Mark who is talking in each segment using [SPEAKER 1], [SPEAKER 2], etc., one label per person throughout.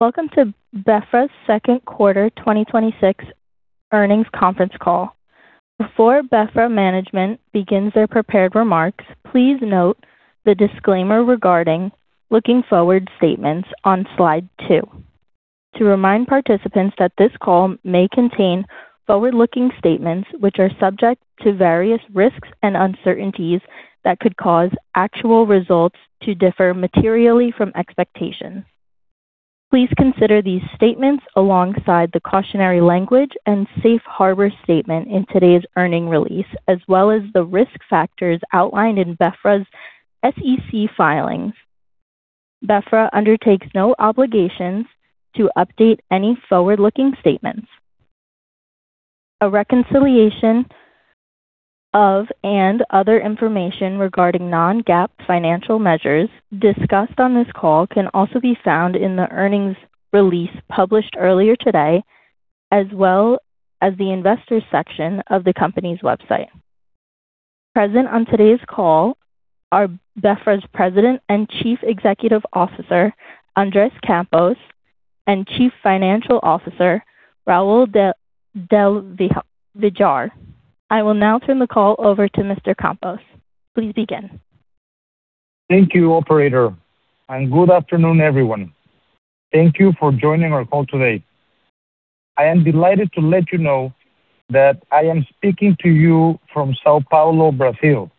[SPEAKER 1] Welcome to Betterware's second quarter 2026 earnings conference call. Before Betterware management begins their prepared remarks, please note the disclaimer regarding forward-looking statements on slide two, to remind participants that this call may contain forward-looking statements which are subject to various risks and uncertainties that could cause actual results to differ materially from expectations. Please consider these statements alongside the cautionary language and safe harbor statement in today's earnings release, as well as the risk factors outlined in Betterware's SEC filings. Betterware undertakes no obligations to update any forward-looking statements. A reconciliation of, and other information regarding non-GAAP financial measures discussed on this call can also be found in the earnings release published earlier today, as well as the investors section of the company's website. Present on today's call are Betterware's President and Chief Executive Officer, Andres Campos, and Chief Financial Officer, Raúl del Villar. I will now turn the call over to Mr. Campos. Please begin.
[SPEAKER 2] Thank you, operator, and good afternoon, everyone. Thank you for joining our call today. I am delighted to let you know that I am speaking to you from São Paulo, Brazil,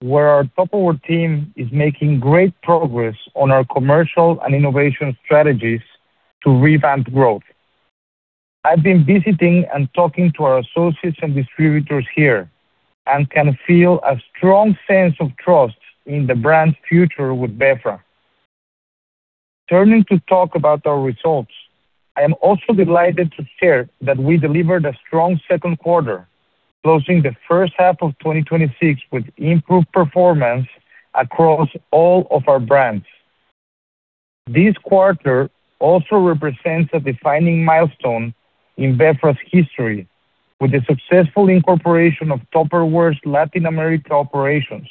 [SPEAKER 2] where our Tupperware team is making great progress on our commercial and innovation strategies to revamp growth. I've been visiting and talking to our associates and distributors here and can feel a strong sense of trust in the brand's future with BeFra. Turning to talk about our results, I am also delighted to share that we delivered a strong second quarter, closing the first half of 2026 with improved performance across all of our brands. This quarter also represents a defining milestone in BeFra's history, with the successful incorporation of Tupperware's Latin America operations,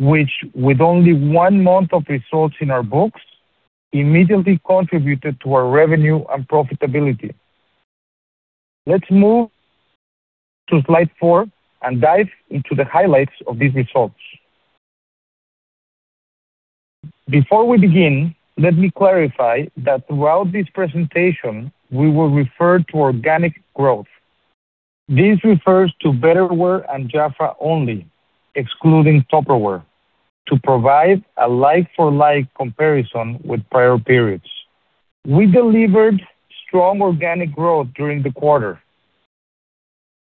[SPEAKER 2] which with only one month of results in our books, immediately contributed to our revenue and profitability. Let's move to slide four and dive into the highlights of these results. Before we begin, let me clarify that throughout this presentation, we will refer to organic growth. This refers to Betterware and JAFRA only, excluding Tupperware, to provide a like-for-like comparison with prior periods. We delivered strong organic growth during the quarter,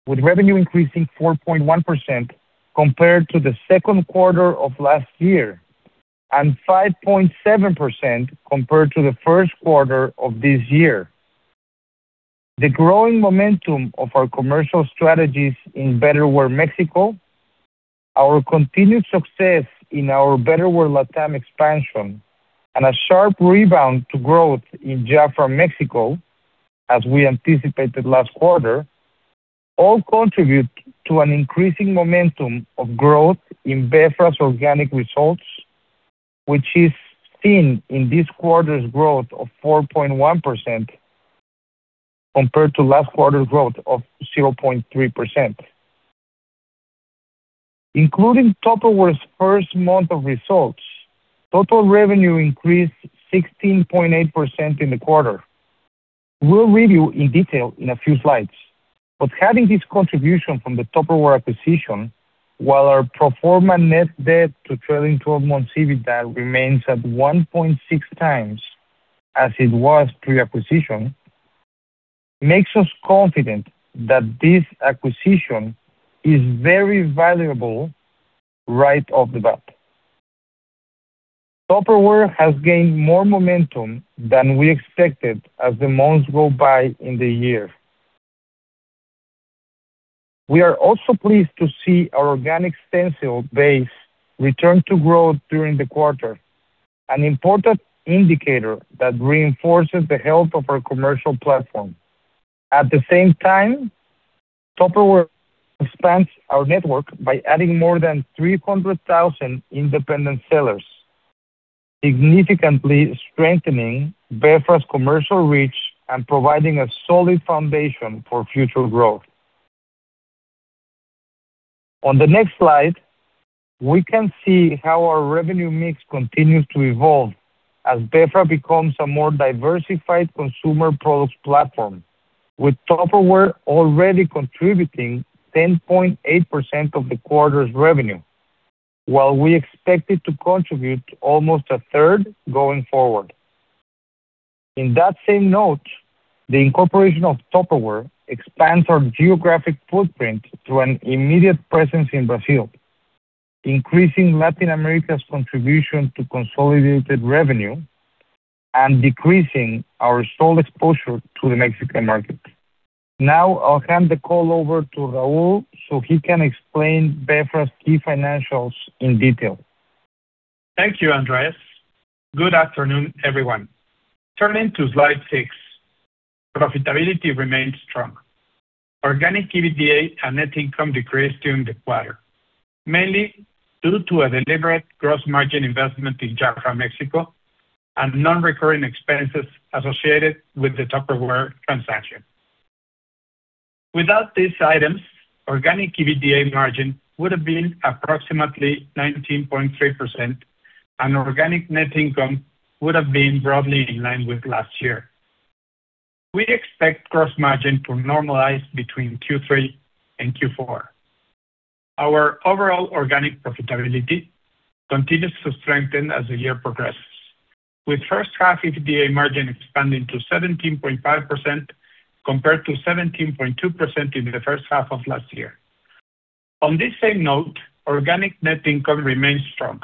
[SPEAKER 2] with revenue increasing 4.1% compared to the second quarter of last year, and 5.7% compared to the first quarter of this year. The growing momentum of our commercial strategies in Betterware Mexico, our continued success in our Betterware LATAM expansion, and a sharp rebound to growth in JAFRA Mexico, as we anticipated last quarter, all contribute to an increasing momentum of growth in BeFra's organic results, which is seen in this quarter's growth of 4.1% compared to last quarter's growth of 0.3%. Including Tupperware's first month of results, total revenue increased 16.8% in the quarter. We'll review in detail in a few slides, having this contribution from the Tupperware acquisition, while our pro forma net debt to trailing 12-month EBITDA remains at 1.6x as it was pre-acquisition, makes us confident that this acquisition is very valuable right off the bat. Tupperware has gained more momentum than we expected as the months go by in the year. We are also pleased to see our organic consultant base return to growth during the quarter, an important indicator that reinforces the health of our commercial platform. At the same time, Tupperware expands our network by adding more than 300,000 independent sellers, significantly strengthening BeFra's commercial reach and providing a solid foundation for future growth. On the next slide, we can see how our revenue mix continues to evolve as BeFra becomes a more diversified consumer products platform, with Tupperware already contributing 10.8% of the quarter's revenue, while we expect it to contribute almost 1/3 going forward. In that same note, the incorporation of Tupperware expands our geographic footprint to an immediate presence in Brazil, increasing Latin America's contribution to consolidated revenue and decreasing our sole exposure to the Mexican market. Now, I'll hand the call over to Raúl so he can explain BeFra's key financials in detail.
[SPEAKER 3] Thank you, Andres. Good afternoon, everyone. Turning to slide six, profitability remains strong. Organic EBITDA and net income decreased during the quarter, mainly due to a deliberate gross margin investment in JAFRA Mexico and non-recurring expenses associated with the Tupperware transaction. Without these items, organic EBITDA margin would have been approximately 19.3%, and organic net income would have been broadly in line with last year. We expect gross margin to normalize between Q3 and Q4. Our overall organic profitability continues to strengthen as the year progresses, with first half EBITDA margin expanding to 17.5% compared to 17.2% in the first half of last year. On this same note, organic net income remains strong,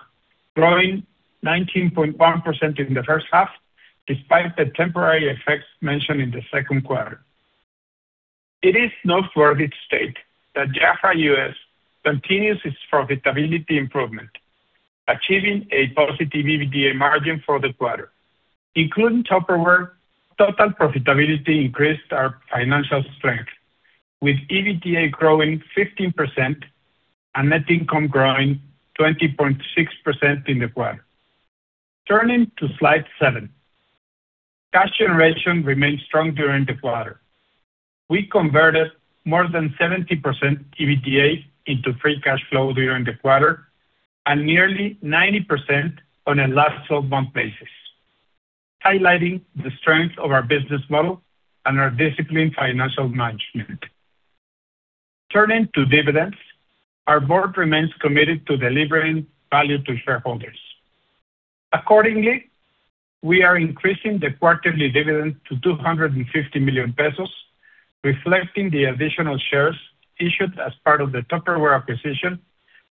[SPEAKER 3] growing 19.1% in the first half despite the temporary effects mentioned in the second quarter. It is noteworthy to state that JAFRA U.S. continues its profitability improvement, achieving a positive EBITDA margin for the quarter. Including Tupperware, total profitability increased our financial strength, with EBITDA growing 15% and net income growing 20.6% in the quarter. Turning to slide seven, cash generation remained strong during the quarter. We converted more than 70% EBITDA into free cash flow during the quarter and nearly 90% on a last 12-month basis, highlighting the strength of our business model and our disciplined financial management. Turning to dividends, our board remains committed to delivering value to shareholders. Accordingly, we are increasing the quarterly dividend to 250 million pesos, reflecting the additional shares issued as part of the Tupperware acquisition,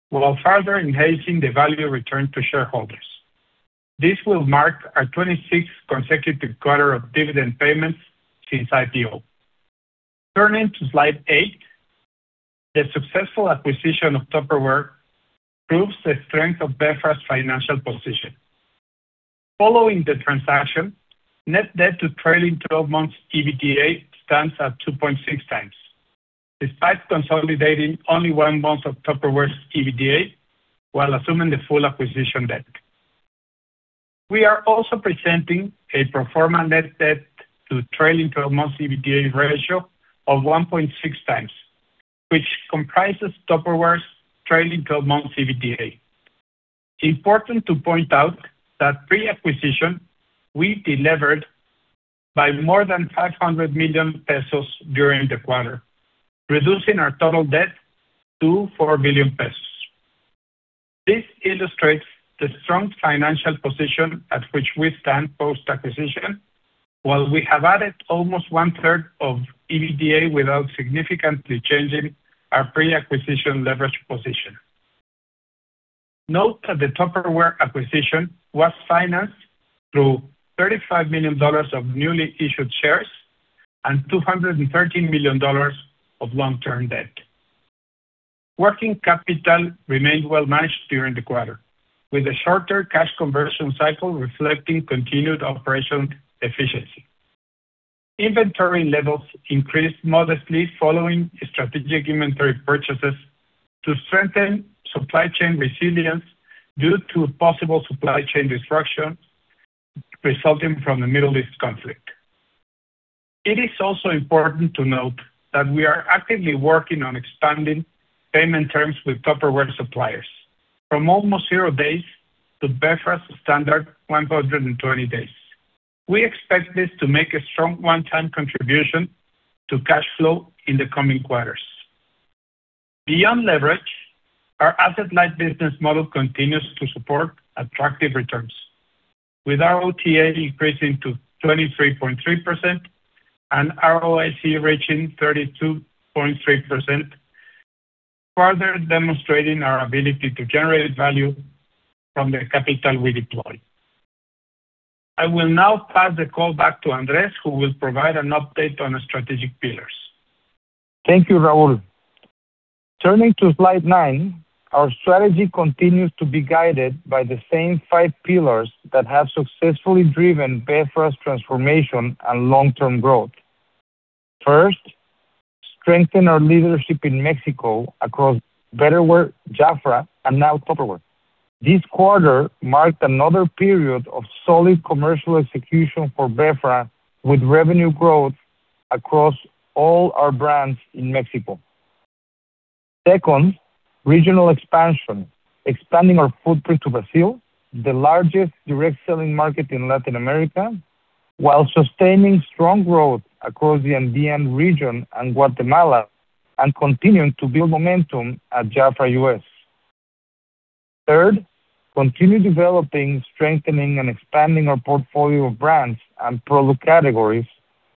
[SPEAKER 3] while further enhancing the value returned to shareholders. This will mark our 26th consecutive quarter of dividend payments since IPO. Turning to slide eight, the successful acquisition of Tupperware proves the strength of Betterware's financial position. Following the transaction, net debt to trailing 12-month EBITDA stands at 2.6x, despite consolidating only one month of Tupperware's EBITDA while assuming the full acquisition debt. We are also presenting a pro forma net debt to trailing 12-month EBITDA ratio of 1.6x, which comprises Tupperware's trailing 12-month EBITDA. It is important to point out that pre-acquisition, we delivered by more than 500 million pesos during the quarter, reducing our total debt to 4 billion pesos. This illustrates the strong financial position at which we stand post-acquisition, while we have added almost 1/3 of EBITDA without significantly changing our pre-acquisition leverage position. Note that the Tupperware acquisition was financed through $35 million of newly issued shares and $213 million of long-term debt. Working capital remained well managed during the quarter, with a shorter cash conversion cycle reflecting continued operational efficiency. Inventory levels increased modestly following strategic inventory purchases to strengthen supply chain resilience due to possible supply chain disruptions resulting from the Middle East conflict. It is also important to note that we are actively working on expanding payment terms with Tupperware suppliers from almost zero days to Betterware's standard 120 days. We expect this to make a strong one-time contribution to cash flow in the coming quarters. Beyond leverage, our asset-light business model continues to support attractive returns, with our ROTA increasing to 23.3% and ROIC reaching 32.3%, further demonstrating our ability to generate value from the capital we deploy. I will now pass the call back to Andres, who will provide an update on the strategic pillars.
[SPEAKER 2] Thank you, Raúl. Turning to slide nine, our strategy continues to be guided by the same five pillars that have successfully driven Betterware's transformation and long-term growth. First, strengthen our leadership in Mexico across Betterware, JAFRA, and now Tupperware. This quarter marked another period of solid commercial execution for Betterware, with revenue growth across all our brands in Mexico. Second, regional expansion, expanding our footprint to Brazil, the largest direct selling market in Latin America, while sustaining strong growth across the Andino region and Guatemala, and continuing to build momentum at JAFRA U.S. Third, continue developing, strengthening, and expanding our portfolio of brands and product categories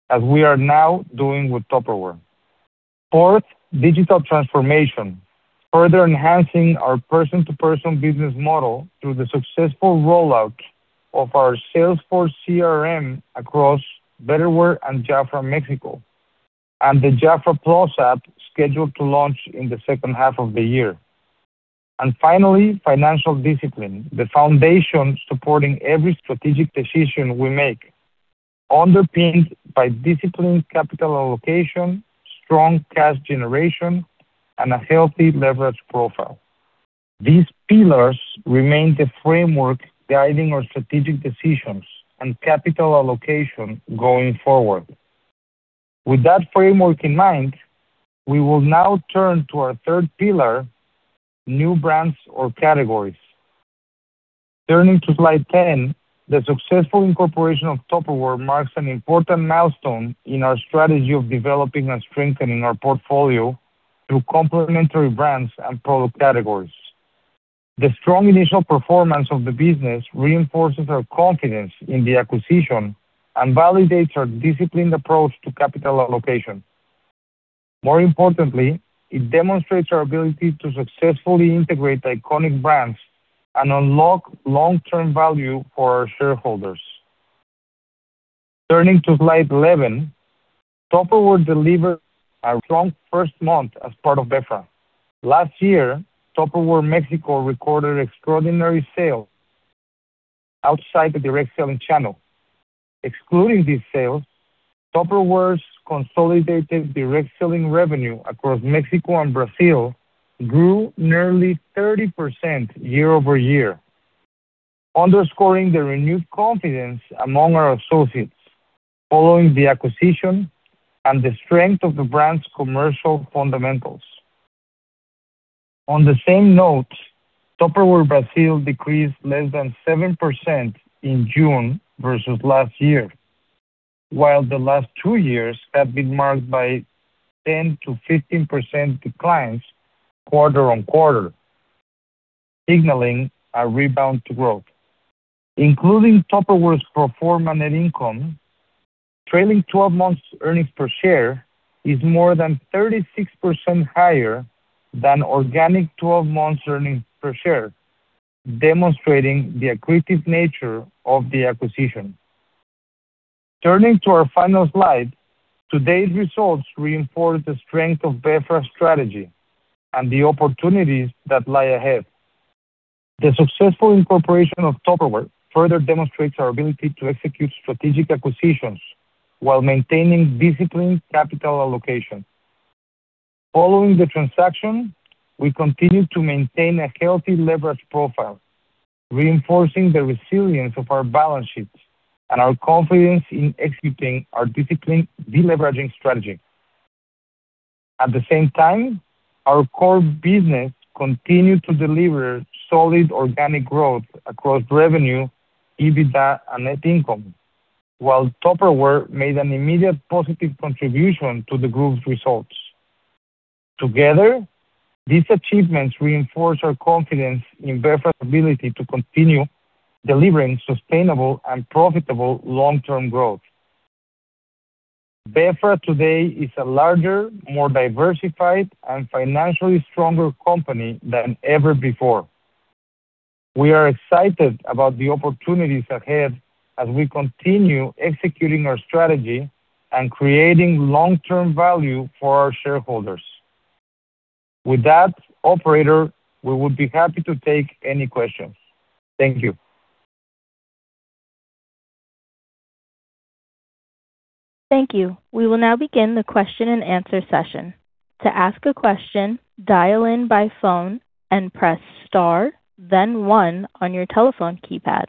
[SPEAKER 2] as we are now doing with Tupperware. Fourth, digital transformation, further enhancing our person-to-person business model through the successful rollout of our Salesforce CRM across Betterware and JAFRA Mexico and the JAFRA+ app, scheduled to launch in the second half of the year. Finally, financial discipline, the foundation supporting every strategic decision we make, underpinned by disciplined capital allocation, strong cash generation, and a healthy leverage profile. These pillars remain the framework guiding our strategic decisions and capital allocation going forward. With that framework in mind, we will now turn to our third pillar, new brands or categories. Turning to slide 10, the successful incorporation of Tupperware marks an important milestone in our strategy of developing and strengthening our portfolio through complementary brands and product categories. The strong initial performance of the business reinforces our confidence in the acquisition and validates our disciplined approach to capital allocation. More importantly, it demonstrates our ability to successfully integrate iconic brands and unlock long-term value for our shareholders. Turning to slide 11, Tupperware delivered a strong first month as part of Betterware. Last year, Tupperware Mexico recorded extraordinary sales outside the direct selling channel. Excluding these sales, Tupperware's consolidated direct selling revenue across Mexico and Brazil grew nearly 30% year-over-year, underscoring the renewed confidence among our associates following the acquisition and the strength of the brand's commercial fundamentals. On the same note, Tupperware Brazil decreased less than 7% in June versus last year, while the last two years have been marked by 10%-15% declines quarter-on-quarter, signaling a rebound to growth. Including Tupperware's pro forma net income, trailing 12 months earnings per share is more than 36% higher than organic 12 months earnings per share, demonstrating the accretive nature of the acquisition. Turning to our final slide, today's results reinforce the strength of Betterware's strategy and the opportunities that lie ahead. The successful incorporation of Tupperware further demonstrates our ability to execute strategic acquisitions while maintaining disciplined capital allocation. Following the transaction, we continue to maintain a healthy leverage profile, reinforcing the resilience of our balance sheets and our confidence in executing our disciplined deleveraging strategy. At the same time, our core business continued to deliver solid organic growth across revenue, EBITDA, and net income, while Tupperware made an immediate positive contribution to the group's results. Together, these achievements reinforce our confidence in Betterware's ability to continue delivering sustainable and profitable long-term growth. Betterware today is a larger, more diversified, and financially stronger company than ever before. We are excited about the opportunities ahead as we continue executing our strategy and creating long-term value for our shareholders. With that, operator, we would be happy to take any questions. Thank you.
[SPEAKER 1] Thank you. We will now begin the question and answer session. To ask a question, dial in by phone and press star, then one on your telephone keypad.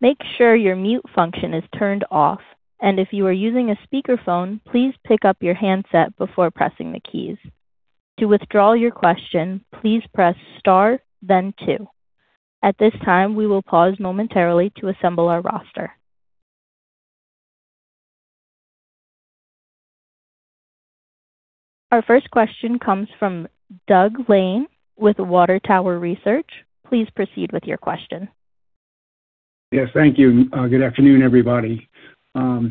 [SPEAKER 1] Make sure your mute function is turned off, and if you are using a speakerphone, please pick up your handset before pressing the keys. To withdraw your question, please press star, then two. At this time, we will pause momentarily to assemble our roster. Our first question comes from Doug Lane with Water Tower Research. Please proceed with your question.
[SPEAKER 4] Yes, thank you. Good afternoon, everybody.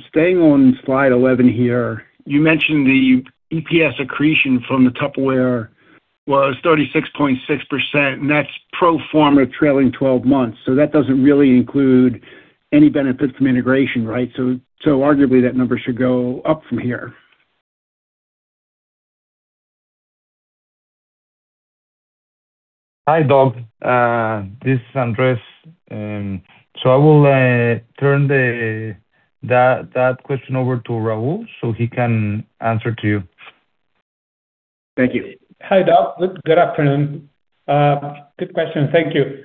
[SPEAKER 4] Staying on slide 11 here, you mentioned the EPS accretion from the Tupperware was 36.6%, and that's pro forma trailing 12 months. That doesn't really include any benefit from integration, right? Arguably, that number should go up from here.
[SPEAKER 2] Hi, Doug. This is Andres. I will turn that question over to Raúl so he can answer to you.
[SPEAKER 4] Thank you.
[SPEAKER 3] Hi, Doug. Good afternoon. Good question, thank you.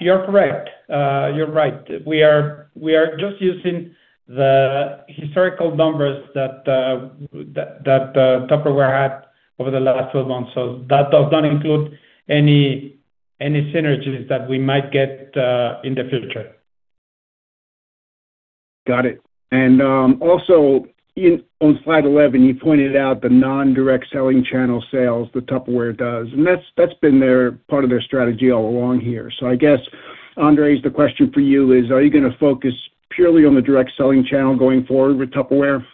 [SPEAKER 3] You're correct. You're right. We are just using the historical numbers that Tupperware had over the last 12 months. That does not include any synergies that we might get in the future.
[SPEAKER 4] Got it. Also, on slide 11, you pointed out the non-direct selling channel sales that Tupperware does, and that's been part of their strategy all along here. I guess, Andres, the question for you is, are you going to focus purely on the direct selling channel going forward with Tupperware?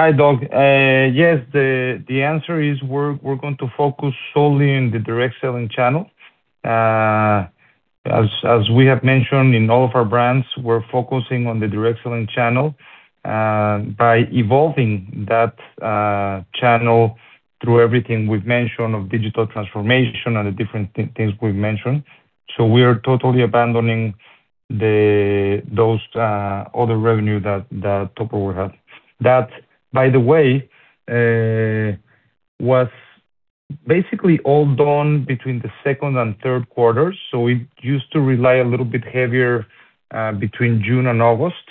[SPEAKER 2] Hi, Doug. Yes, the answer is we're going to focus solely in the direct selling channel.
[SPEAKER 4] Okay.
[SPEAKER 2] As we have mentioned, in all of our brands, we're focusing on the direct selling channel, by evolving that channel through everything we've mentioned of digital transformation and the different things we've mentioned. We are totally abandoning those other revenue that Tupperware had. That, by the way, was basically all done between the second and third quarters. We used to rely a little bit heavier between June and August.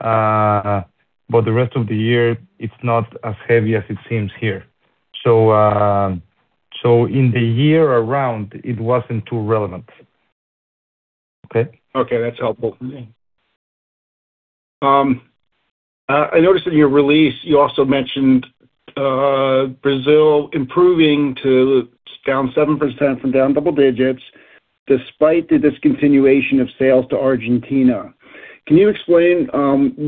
[SPEAKER 2] The rest of the year, it's not as heavy as it seems here. In the year around, it wasn't too relevant. Okay?
[SPEAKER 4] Okay, that's helpful for me. I noticed in your release you also mentioned Brazil improving to down 7% from down double digits despite the discontinuation of sales to Argentina. Can you explain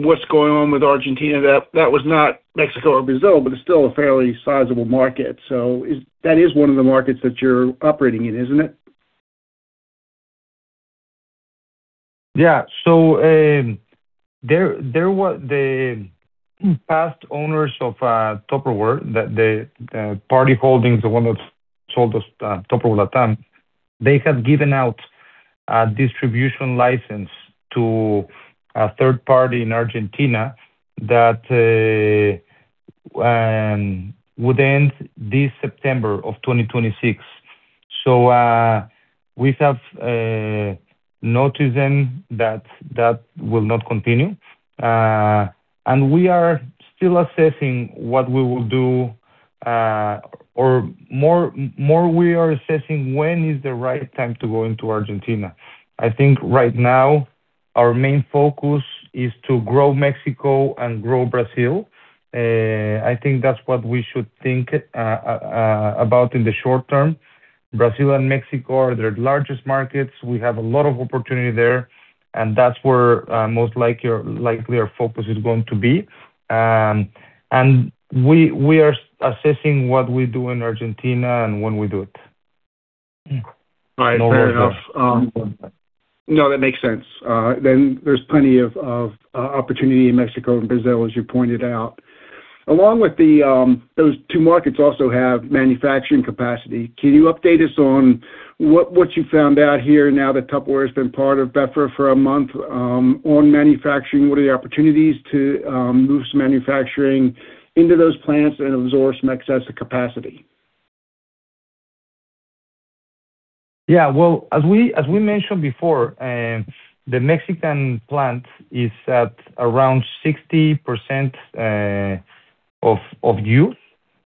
[SPEAKER 4] what's going on with Argentina? That was not Mexico or Brazil, but it's still a fairly sizable market. That is one of the markets that you're operating in, isn't it?
[SPEAKER 2] Yeah. The past owners of Tupperware, the Party holdings, the one that sold us Tupperware LATAM, they had given out a distribution license to a third party in Argentina that would end this September of 2026. We have noticed then that that will not continue. We are still assessing what we will do, or more we are assessing when is the right time to go into Argentina. I think right now our main focus is to grow Mexico and grow Brazil. I think that's what we should think about in the short term. Brazil and Mexico are the largest markets. We have a lot of opportunity there, and that's where most likely our focus is going to be. We are assessing what we do in Argentina and when we do it.
[SPEAKER 4] Right. Fair enough.
[SPEAKER 2] No worries there.
[SPEAKER 4] That makes sense. There's plenty of opportunity in Mexico and Brazil, as you pointed out. Along with those two markets also have manufacturing capacity. Can you update us on what you found out here now that Tupperware has been part of BeFra for a month on manufacturing? What are the opportunities to move some manufacturing into those plants and absorb some excess capacity?
[SPEAKER 2] As we mentioned before, the Mexican plant is at around 60% of use,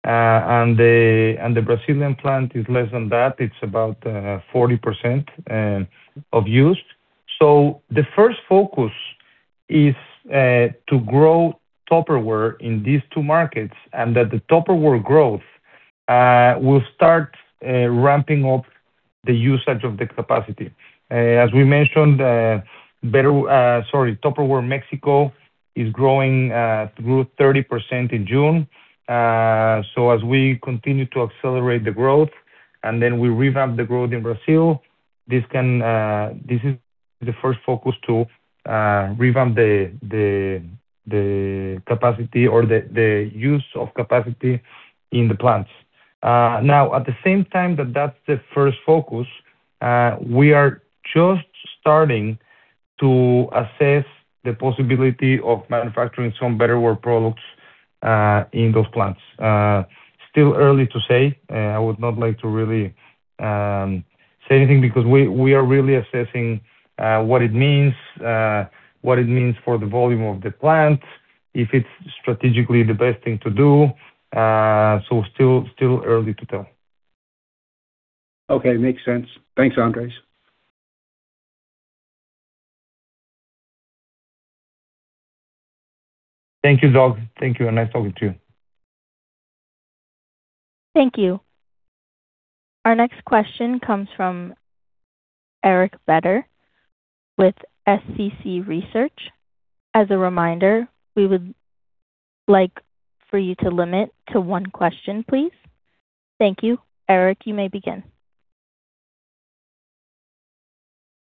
[SPEAKER 2] and the Brazilian plant is less than that. It's about 40% of use. The first focus is to grow Tupperware in these two markets, and that the Tupperware growth will start ramping up the usage of the capacity. As we mentioned, Tupperware Mexico grew 30% in June. As we continue to accelerate the growth, we revamp the growth in Brazil, this is the first focus to revamp the capacity or the use of capacity in the plants. At the same time that that's the first focus, we are just starting to assess the possibility of manufacturing some Betterware products in those plants. Still early to say. I would not like to really say anything because we are really assessing what it means for the volume of the plant, if it's strategically the best thing to do. Still early to tell.
[SPEAKER 4] Okay, makes sense. Thanks, Andres.
[SPEAKER 2] Thank you, Doug. Thank you, nice talking to you.
[SPEAKER 1] Thank you. Our next question comes from Eric Beder with SCC Research. As a reminder, we would like for you to limit to one question, please. Thank you. Eric, you may begin.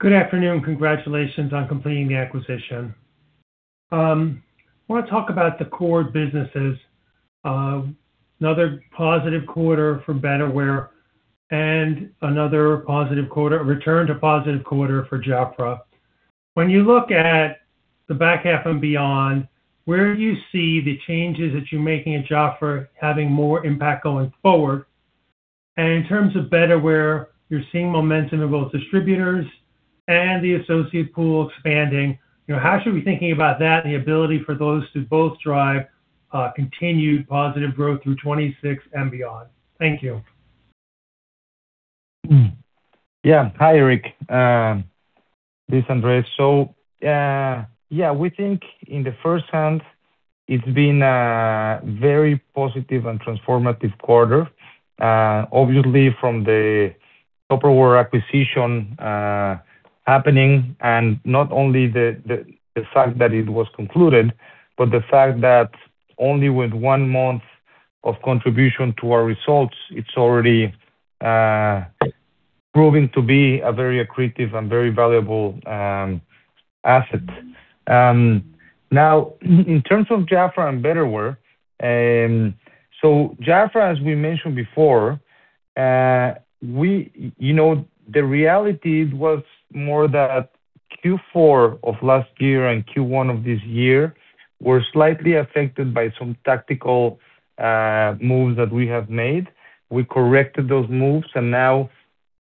[SPEAKER 5] Good afternoon. Congratulations on completing the acquisition. I want to talk about the core businesses. Another positive quarter for Betterware and another return to positive quarter for JAFRA. When you look at the back half and beyond, where do you see the changes that you're making in JAFRA having more impact going forward? In terms of Betterware, you're seeing momentum in both distributors and the associate pool expanding. How should we be thinking about that and the ability for those to both drive continued positive growth through 2026 and beyond? Thank you.
[SPEAKER 2] Hi, Eric. This is Andres. We think in the first hand it's been a very positive and transformative quarter. Obviously, from the Tupperware acquisition happening and not only the fact that it was concluded, but the fact that only with one month of contribution to our results, it's already proving to be a very accretive and very valuable asset. In terms of JAFRA and Betterware, JAFRA, as we mentioned before, the reality was more that Q4 of last year and Q1 of this year were slightly affected by some tactical moves that we have made. We corrected those moves,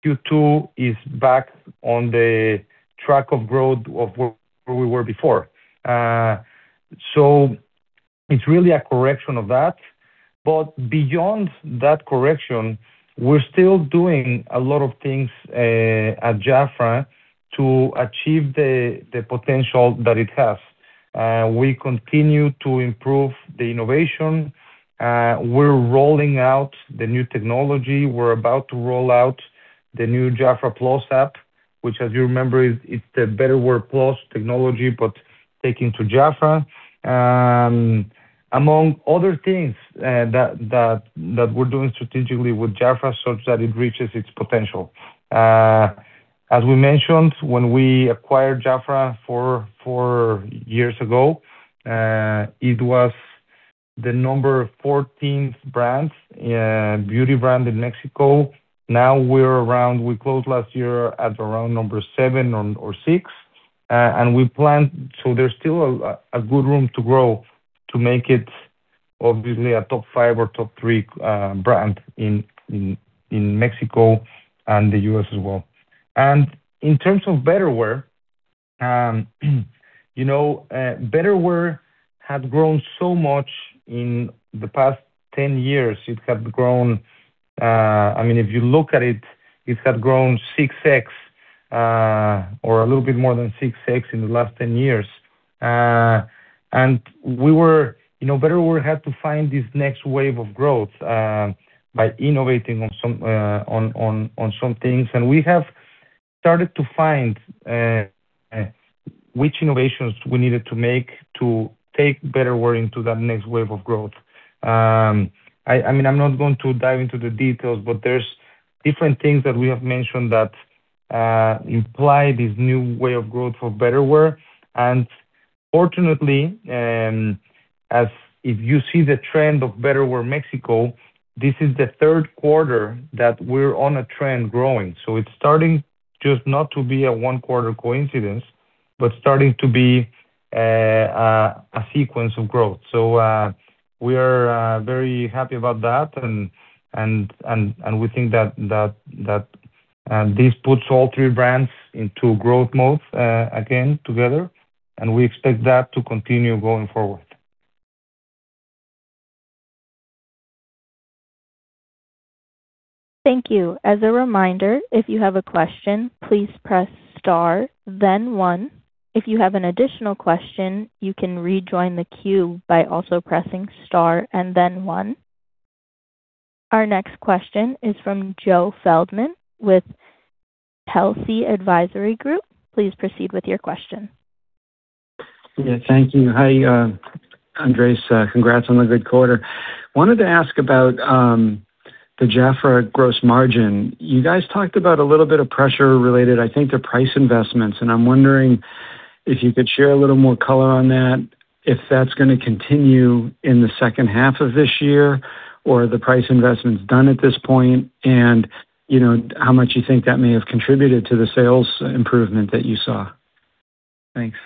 [SPEAKER 2] Q2 is back on the track of growth of where we were before. It's really a correction of that. Beyond that correction, we're still doing a lot of things at JAFRA to achieve the potential that it has. We continue to improve the innovation. We're rolling out the new technology. We're about to roll out the new JAFRA+ app, which, as you remember, it's the Betterware+ technology, but taking to JAFRA, among other things that we're doing strategically with JAFRA such that it reaches its potential. As we mentioned, when we acquired JAFRA four years ago, it was the number 14th beauty brand in Mexico. We closed last year at around number seven or six. There's still a good room to grow, to make it obviously a top five or top three brand in Mexico and the U.S. as well. In terms of Betterware had grown so much in the past 10 years. If you look at it had grown 6x or a little bit more than 6x in the last 10 years. Betterware had to find this next wave of growth by innovating on some things. We have started to find which innovations we needed to make to take Betterware into that next wave of growth. I'm not going to dive into the details, there's different things that we have mentioned that imply this new way of growth for Betterware. Fortunately, if you see the trend of Betterware Mexico, this is the third quarter that we're on a trend growing. It's starting just not to be a one-quarter coincidence, starting to be a sequence of growth. We are very happy about that, we think that this puts all three brands into growth mode again together, we expect that to continue going forward.
[SPEAKER 1] Thank you. As a reminder, if you have a question, please press star then one. If you have an additional question, you can rejoin the queue by also pressing star and then one. Our next question is from Joe Feldman with Telsey Advisory Group. Please proceed with your question.
[SPEAKER 6] Yeah, thank you. Hi, Andres. Congrats on the good quarter. Wanted to ask about the JAFRA gross margin. You guys talked about a little bit of pressure related, I think, to price investments, and I'm wondering if you could share a little more color on that, if that's going to continue in the second half of this year, or are the price investments done at this point, and how much you think that may have contributed to the sales improvement that you saw? Thanks.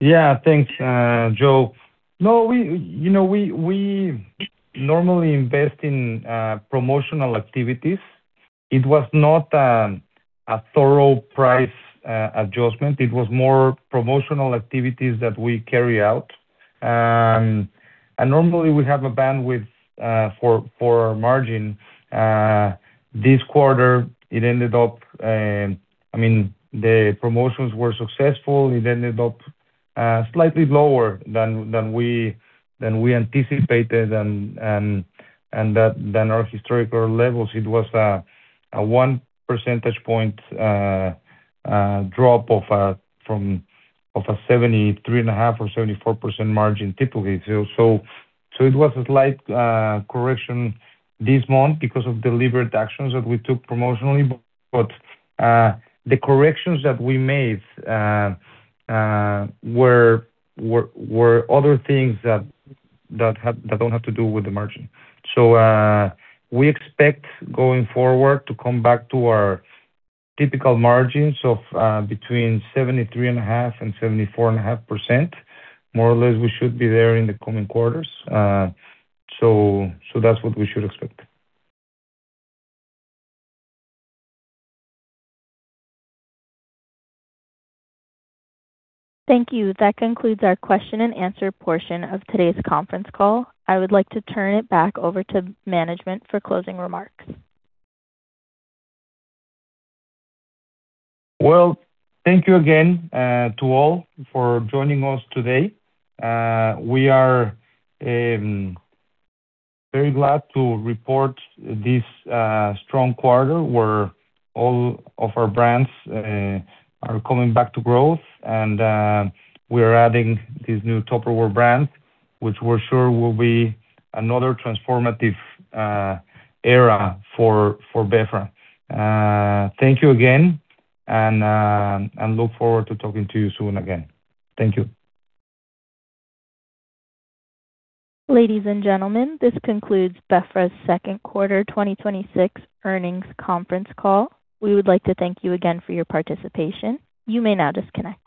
[SPEAKER 2] Yeah. Thanks, Joe. We normally invest in promotional activities. It was not a thorough price adjustment. It was more promotional activities that we carry out. Normally we have a bandwidth for our margin. This quarter, the promotions were successful. It ended up slightly lower than we anticipated and than our historical levels. It was a 1 percentage point drop from a 73.5% or 74% margin typically. It was a slight correction this month because of deliberate actions that we took promotionally. The corrections that we made were other things that don't have to do with the margin. We expect, going forward, to come back to our typical margins of between 73.5% and 74.5%. More or less, we should be there in the coming quarters. That's what we should expect.
[SPEAKER 1] Thank you. That concludes our question and answer portion of today's conference call. I would like to turn it back over to management for closing remarks.
[SPEAKER 2] Well, thank you again to all for joining us today. We are very glad to report this strong quarter, where all of our brands are coming back to growth, and we're adding this new Tupperware brand, which we're sure will be another transformative era for Betterware. Thank you again, and look forward to talking to you soon again. Thank you.
[SPEAKER 1] Ladies and gentlemen, this concludes Betterware's second quarter 2026 earnings conference call. We would like to thank you again for your participation. You may now disconnect.